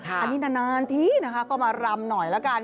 อันนี้นานทีนะคะก็มารำหน่อยละกัน